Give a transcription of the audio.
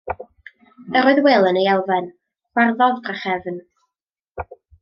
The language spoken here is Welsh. Yr oedd Wil yn ei elfen, chwarddodd drachefn.